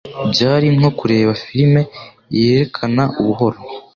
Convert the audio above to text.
Byari nko kureba firime yerekana buhoro.